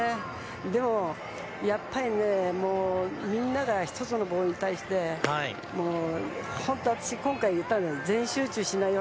でも、やっぱりね、みんなが１つのボールに対して本当、私、今回言ったんですよ